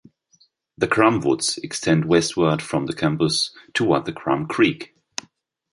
The Crum Woods extend westward from the campus, toward the Crum Creek.